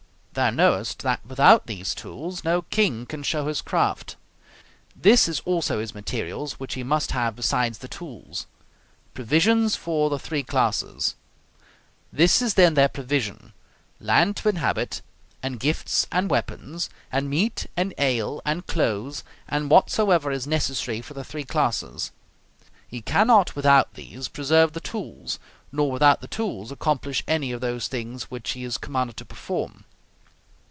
Thou knowest that without these tools no king can show his craft. This is also his materials which he must have besides the tools: provisions for the three classes. This is, then, their provision: land to inhabit, and gifts and weapons, and meat, and ale, and clothes, and whatsoever is necessary for the three classes. He cannot without these preserve the tools, nor without the tools accomplish any of those things which he is commanded to perform.